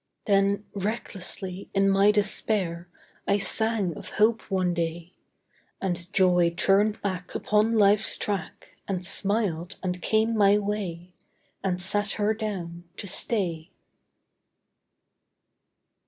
Then recklessly in my despair, I sang of hope one day. And Joy turned back upon life's track, And smiled, and came my way, And sat her down to stay.